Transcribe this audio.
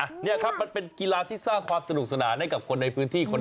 นี่ครับมันเป็นกีฬาที่ซ่าความสนุกสนานให้กับคนในพื้นที่จุด